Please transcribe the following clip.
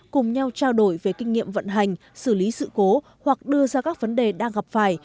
cùng nhau trao đổi về kinh nghiệm vận hành xử lý sự cố hoặc đưa ra các vấn đề đang gặp phải